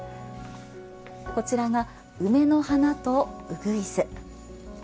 こちらが梅の花とうぐいす。